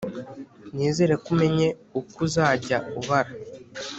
nizere ko umenye uko uzajya ubara